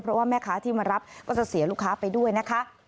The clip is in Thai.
เพราะว่าแม่ค้าที่มารับก็จะเสียลูกค้าไปด้วยนะคะ